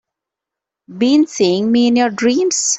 Been seeing me in your dreams?